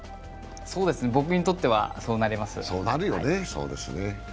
そうですね、僕にとってはそうなります。